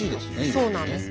そうなんです。